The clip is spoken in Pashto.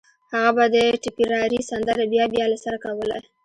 هغه به د ټيپيراري سندره بيا بيا له سره کوله